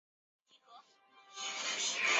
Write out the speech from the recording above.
丹老为该县之首府。